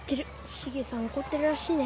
シゲさん怒ってるらしいね。